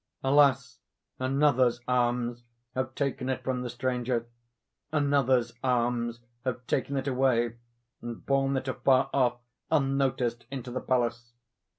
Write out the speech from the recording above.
Alas! another's arms have taken it from the stranger—another's arms have taken it away, and borne it afar off, unnoticed, into the palace!